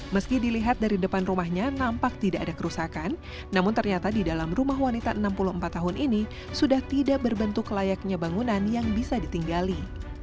meski dilihat dari depan rumahnya nampak tidak ada kerusakan namun ternyata di dalam rumah wanita enam puluh empat tahun ini sudah tidak berbentuk layaknya bangunan yang bisa ditinggali